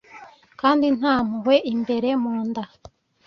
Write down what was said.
Kandi nta mpuhwe imbere mu nda;